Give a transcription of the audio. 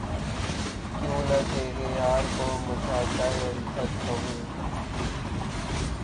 کیوں نہ تیغ یار کو مشاطۂ الفت کہوں